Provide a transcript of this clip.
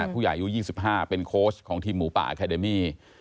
ผู้ใหญ่อยู่๒๕เป็นโค้ชของทีมหมูปะอาคาเดมี่